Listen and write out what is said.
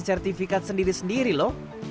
sertifikat sendiri sendiri lho